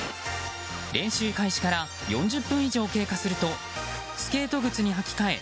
練習開始から４０分以上経過するとスケート靴に履き替え